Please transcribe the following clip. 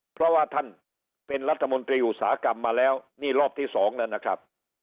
เพราะว่าท่านเป็นรัฐมนตรีอุตสาหกรรมมาแล้วนี่รอบที่สองแล้วนะครับ